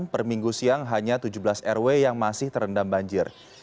per minggu siang hanya tujuh belas rw yang masih terendam banjir